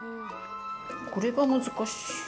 これが難しい。